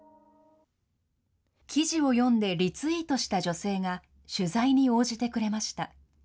記事を読んでリツイートした女性が取材に応じてくれました。